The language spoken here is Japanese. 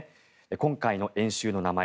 今回の演習の名前